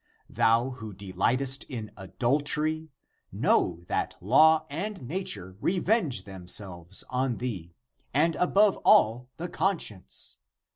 Thou who delight est in adultery, know that law and nature revenge themselves on thee, and above all the conscience!